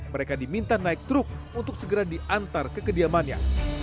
mereka diminta naik truk untuk segera diantar ke kediamannya